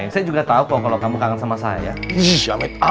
saya tuh kangen sama kamu jeng